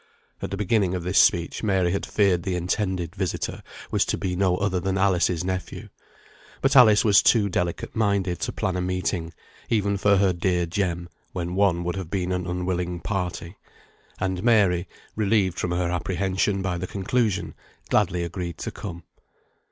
At the beginning of this speech Mary had feared the intended visitor was to be no other than Alice's nephew; but Alice was too delicate minded to plan a meeting, even for her dear Jem, when one would have been an unwilling party; and Mary, relieved from her apprehension by the conclusion, gladly agreed to come.